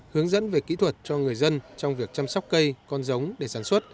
hướng dẫn về kỹ thuật cho người dân trong việc chăm sóc cây con giống để sản xuất